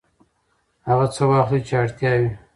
هغه څه واخلئ چې اړتیا وي.